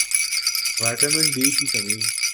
vitamin D کی کمی